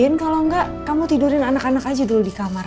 gen kalau enggak kamu tidurin anak anak aja dulu di kamar